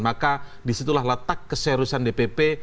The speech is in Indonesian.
maka disitulah letak keseriusan dpp